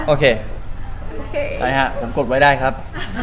โอเคไปฮะผมกดไว้ได้ครับ